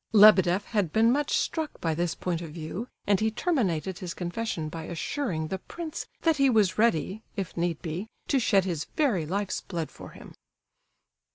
Lebedeff had been much struck by this point of view, and he terminated his confession by assuring the prince that he was ready, if need be, to shed his very life's blood for him.